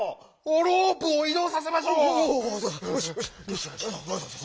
ロープをいどうさせましょう！